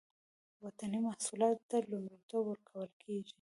وطني محصولاتو ته لومړیتوب ورکول کیږي